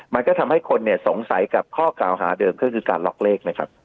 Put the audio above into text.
มันก็ทำให้คนสงสัยกับข้อกล่าวหาเดิมก็คือการล็อกเลขนะครับ